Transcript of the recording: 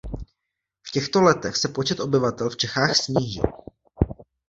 V těchto letech se počet obyvatel v Čechách snížil.